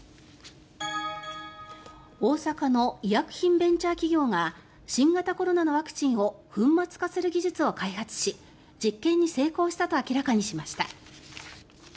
大阪の医薬品ベンチャー企業が新型コロナのワクチンを粉末化する技術を開発し実験に成功したと明らかにしました。